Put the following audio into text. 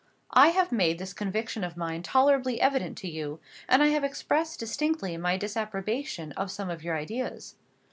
I have made this conviction of mine tolerably evident to you; and I have expressed distinctly my disapprobation of some of your ideas.